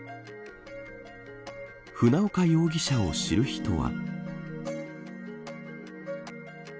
船岡容疑者を知る人は。